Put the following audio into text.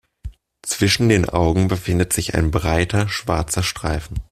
Zwischen den Augen befindet sich ein breiter, schwarzer Streifen.